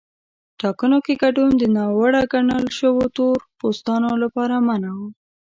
ټاکنو کې ګډون د ناوړه ګڼل شویو تور پوستانو لپاره منع و.